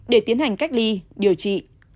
để tiến hành cách ly điều trị